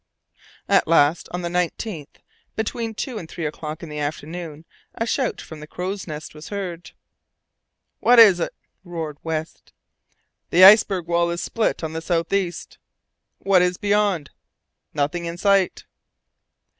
At last, on the 19th, between two and three o'clock in the afternoon, a shout from the crow's nest was heard. "What is it?" roared West. "The iceberg wall is split on the south east." "What is beyond?" "Nothing in sight."